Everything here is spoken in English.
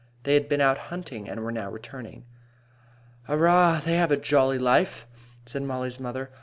They had been out hunting and were now returning. "Arrah! they have a jolly life," said Mollie's mother.